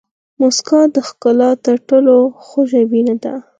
موسکا د ښکلا تر ټولو خوږه بڼه ده.